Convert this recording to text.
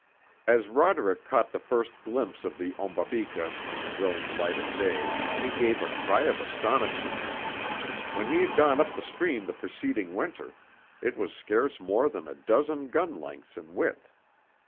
As Roderick caught his first glimpse of the Ombabika in the growing light of day he gave a cry of astonishment. When he had gone up the stream the preceding winter it was scarce more than a dozen gun lengths in width.